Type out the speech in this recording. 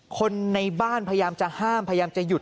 คนในบ้านพยายามจะห้ามพยายามจะหยุด